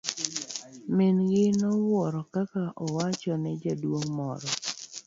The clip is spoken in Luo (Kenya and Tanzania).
Min gi nowuoro ka owacho ne jaduong' moro.